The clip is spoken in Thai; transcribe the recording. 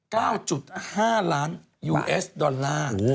ก็๙๕ล้านยูเอสดอลลาร์